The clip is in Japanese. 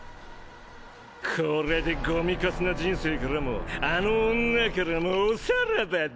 これでゴミカスな人生からもあの女からもおさらばだ！